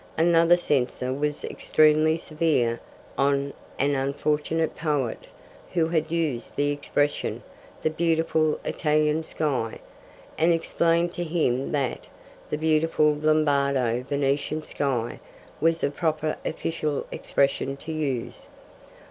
Another censor was extremely severe on an unfortunate poet who had used the expression 'the beautiful Italian sky,' and explained to him that 'the beautiful Lombardo Venetian sky' was the proper official expression to use.